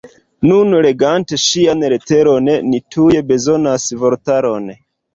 Nun, legante ŝian leteron ni tuj bezonas vortaron.